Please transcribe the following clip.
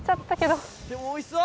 でもおいしそう！